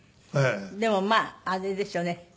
でもまああれですよね。